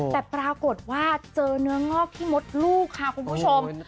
แต่ปรากฏว่าเจอเนื้องอกที่มดลูกค่ะคุณผู้ชม